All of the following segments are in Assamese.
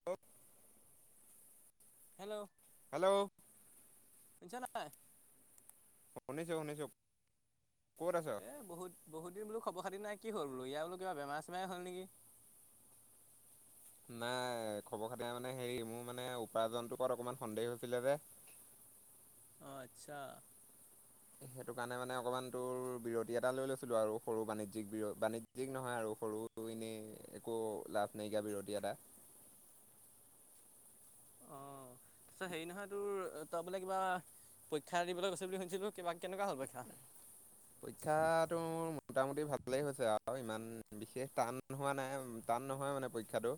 [unintelligible] হেল্লৌ! হেল্লৌ! শুনিছা নাই? শুনিছোঁ শুনিছোঁ। এই বহুত বহুত দিন বো খবৰ খাতি নাই কি হ'ল বোলো ইয়া বোলো কিবা বেমাৰ চেমাৰ হ'ল নেকি? নাই খবৰ খাতিৰ মানে হেৰি মোৰ মানে উপাৰ্জনটোৰ ওৰত অকমান সন্দেহ হৈছিলে যে। অঁ আচ্ছা। সেইটো কাৰণে মানে অকণমান তোৰ বিৰতি এটা লৈ লৈছিলোঁ আৰু সৰু বাণিজ্যিক বিৰ বাণিজ্যিক নহয় আৰু সৰু- এনেই একো লাভ নাইকিয়া বিৰতি এটা। অঁ [unintelligible] হেৰি নহয় তোৰ তই বোলে কিবা পৰীক্ষা দিবলৈ গৈছে বুলি শুনিছিলোঁ কিবা কেনেকুৱা হ'ল পৰীক্ষা? পৰীক্ষাটোৰ মোটামুটি ভালেই হৈছে আৰু ইমান বিশেষ টান হোৱা নাই আৰু। টান নহয় মানে পৰীক্ষাটো।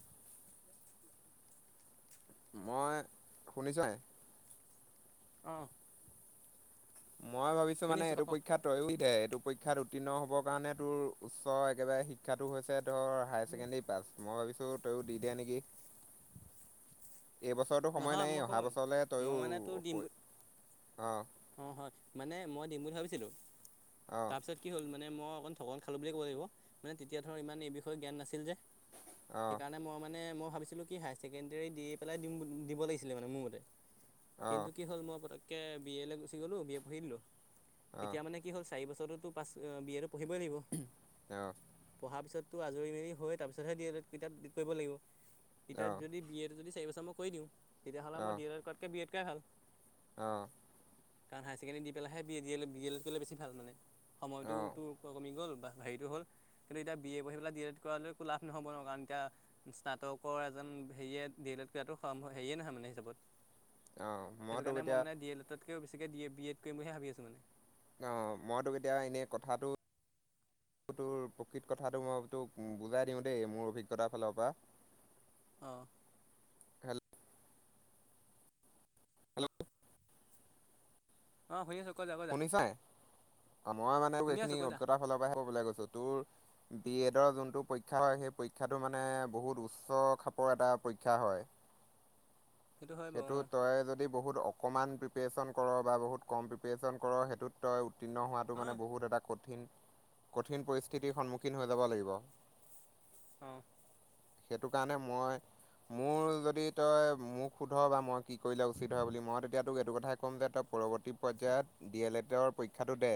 মই শুনিছ নাই? অঁ! মই ভাবিছোঁ শুনি মানে আছোঁ ক এইটো ক পৰীক্ষাত- তয়ো দে এইটো পৰীক্ষাত উত্তীৰ্ণ হ'বৰ কাৰণে তোৰ উচ্চ একেবাৰে শিক্ষাটো হৈছে ধৰ- হায়াৰ ছেকেডৰী পাছ মই ভাবিছোঁ তয়ো দি দিয়া নেকি? এইবছটো সময় নহয় মই নায়েই অহা শুন বছৰলৈ তয়ো মই মানে তোৰ দিম বুলি অঁ। অঁ হয়ঁ মানে মই দিম বুলি ভাবিছিলোঁ অঁ তাৰপিছত- কি হ'ল মানে মই অকণ ঠকন খালো বুলিয় কব লাগিব মে তেতিয়া ধৰ ইমান এই বিষয়ে জ্ঞান নাছিল যে। অঁ সেইকাৰণে মই মানে মই ভাবিছিলোঁ - কি হায়াৰ ছেকেণ্ডেৰী দি পেলাই দিম দিব লাগিছিলে মানে মোৰ মতে অঁ কিন্তু কি হ'ল মই পটককে- বি এ লৈ গুচি গ'লোঁ বি এ পঢ়ি দিলোঁ এতিয়া মানে কি হ'ল চাৰি বছৰততো পাছ বি এটো পঢ়িবই লাগিব। অঁ! পঢ়াৰ পিছতো আজৰি মেলি হৈ তাৰপিছতহে দিএ লেতটো কিতাপ কৰিব লাগিব। অঁ এতিয়াটো যদি বি এড যদি চাৰি বছৰ মই কৰি দিওঁ তেতিয়াহ'লে মই ডি এডত তাতকৈ বি এড কৰাই ভাল। অ কাৰণ হায়াৰ ছেকেডৰী দি পেলাইহে B A D A B L Ed কৰিলে বেছি ভাল মানে সময়টো অঁ তোৰ কমি গ'ল বা হেৰিটো হ'ল কিন্তু এতিয়া বি এ পঢ়ি পেলাই ডি এল এড কৰালৈ একো লাভ নহ'ব ন কাৰণ এতিয়া স্নাতকৰ এজন হেৰিয়ে ডি এ লেট কৰাতো হেৰিয়ে নহয় মানে হিচাপত অঁ সেইটো তোক কাৰণে এতিয়া মই মানে ডি এডতকও বেছিকে ড বি এড কৰিম বুলিহে ভাবি আছো মানে। অ মই তোক এতিয়া এনে কথাটো তোৰ প্ৰকৃত কথাটো মই তোক বুজাই দিওঁ দেই মোৰ অভিজ্ঞতাৰ ফালৰ পৰা অ হেল্ল' অ শুনি আছো কৈ যা কৈ যা শুনিছাই মই মানে তোক শুনি এইখিনি আছোঁ কৈ যা অভিজ্ঞতাৰ ফালৰ পৰাহে কব গৈছো তোৰ বি এডৰ যোনটো পৰীক্ষা হয় সেই পৰীক্ষাটো মানে বহুত উচ্চ খাপৰ এটা পৰীক্ষা হয়। [inaudible] হয় বাৰু সেইটো তই যদি বহুত অকণমান পিপিয়েচন কৰ বা বহুত কম পিপিয়েচণ কৰ সেইটোত তই উত্তীৰ্ণ হোৱাটো অঁ মানে বহুত এটা কঠিন কঠিন পৰিস্থিতিৰ সন্মুখীন হৈ যাব লাগিব। অ সেইটো কাৰণে মই মোৰ যদি তই মোক শোধ বা মই কি কৰিলে উচিত হয় বুলি মই তেতিয়াতোক এইটো কথাই ক'ম যে তই পৰৱৰ্তী পৰ্যায়ত ডি এল এডৰ পৰীক্ষাটো দে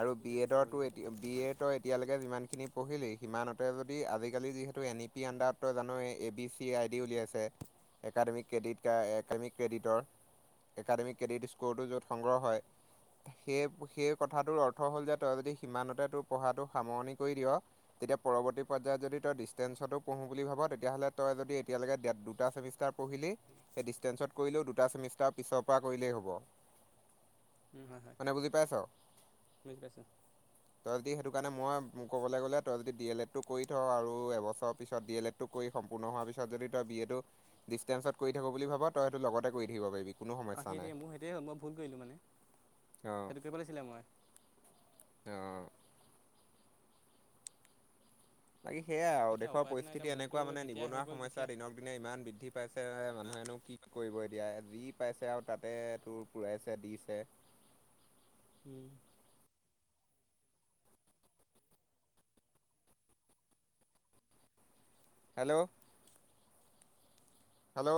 আৰু বি এডৰো এতিয়া বি এডৰ এতিয়ালৈকে যিমানখিনি পঢ়িলি সিমানতে যদি আজিকালি যিহেতু এন ই পি আণ্ডাৰত তই জানই এই A B C C I D উলিয়াইছে একাডেমিক ক্ৰেডিট একাডেমিক ক্ৰেডিটৰ একাডেমিক ক্ৰেডিট স্ক'ৰটো য'ত সংগ্ৰহ হয় সেই সেই কথাটোৰ অৰ্থ হ'ল যে তই যদি সিমানতে তোৰ পঢ়াটো সামৰণি কৰি দিয় তেতিয়া পৰৱৰ্তী পৰ্যায়ত যদি তই ডিষ্টেঞ্চতো পঢ়ো বুলি ভাব তেতিয়াহলে তই যদি এতিয়ালৈকে ডেট দুটা চেমিষ্টাৰ পঢ়িলি সেই ডিষ্টেঞ্চত কৰিলেও দুটা চেমিষ্টাৰ পিছৰ পৰা কৰিলেই হ'ব হয় হয় মানে বুজি পাইছ বুজি পাইছোঁ তই যদি সেইটো কাৰণে মই মোক ক'বলৈ গ'লে তই যদি ডি এল এডটো কৰি থ আৰু এবছৰৰ পিছত ডি এল এড কৰি সম্পূৰ্ণ হোৱাৰ পিছত যদি তই বি এ টো ডিষ্টেন্ঞ্চত কৰি থাকো বুলি ভাব তই সেইটো লগতে কৰি থাকিব পাৰিবি কোনো অ সমস্যা নাই সেইটোৱে মোৰ সেইটোৱে হ'ল মই ভুল কৰিলোঁ মানে অ সেইটো কৰিব লাগিছিলে মই অ বাকী সেয়য়াই আৰু সেইটোৱে দেশৰ উপায়টো নাই এতিয়া পৰিস্থিতি ভুলটো এনেকুৱা মানে তেতিয়াই হৈ নিবনুৱা গ'ল সমস্যা যেতিয়া দিনক পিনে ইমান বৃদ্ধি পাইছে মানুহেনো কি কৰিব এতিয়া যি পাইছে আৰু তাতে তোৰ পুৰাইছে দিছে। উম হেল্ল' হেল্ল'